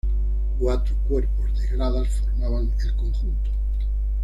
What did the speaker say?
Cuatro cuerpos de gradas formaban el conjunto.